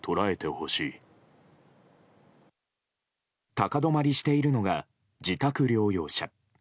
高止まりしているのが自宅療養者。